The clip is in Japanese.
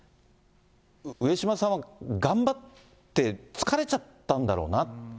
上島さんは頑張って疲れちゃったんだろうな。